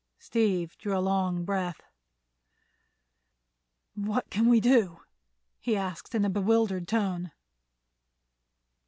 Steve drew a long breath. "What can we do?" he asked in a bewildered tone.